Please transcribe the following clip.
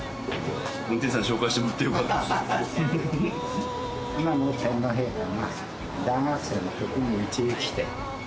運転手さんに紹介してもらってよかったです。